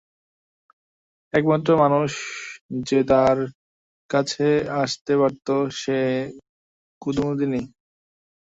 একমাত্র মানুষ যে তাঁর কাছে আসতে পারত সে কুমুদিনী।